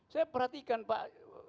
saya perhatikan pak